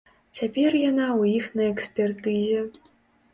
Цяпер яна ў іх на экспертызе.